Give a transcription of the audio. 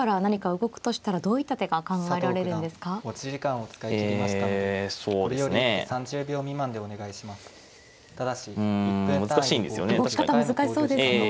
動き方難しそうですね。